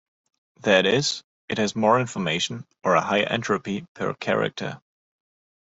That is, it has more information, or a higher entropy, per character.